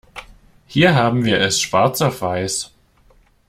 Hier haben wir es schwarz auf weiß.